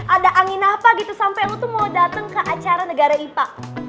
ada angin apa gitu sampe lo tuh mau dateng ke acara negara ipa